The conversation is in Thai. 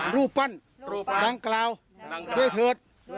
รูปปั้นดังกล่าวด้วยเถิด